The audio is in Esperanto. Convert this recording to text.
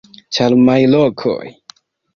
Ĉarmaj lokoj.